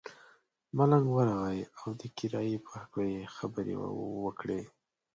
ملنګ ورغئ او د کرایې په هکله یې خبرې وکړې.